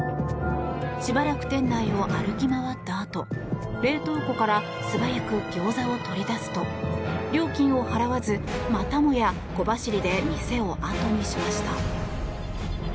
しばらく店内を歩き回ったあと冷凍庫から素早くギョーザを取り出すと料金を払わず、またもや小走りで店を後にしました。